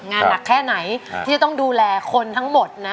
งานหนักแค่ไหนที่จะต้องดูแลคนทั้งหมดนะ